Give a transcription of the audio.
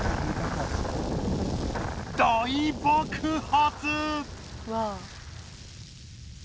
大爆発！